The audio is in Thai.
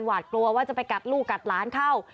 หวาดกลัวว่าจะไปกัดลูกกัดหลานเข้า